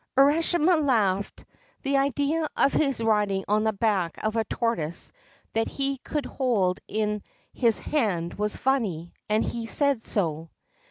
Urashima laughed. The idea of his riding on the back of a tortoise that he could hold in his hand was funny, and he said so.